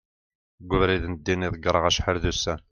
deg ubrid n ddin i ḍegreɣ acḥal d ussan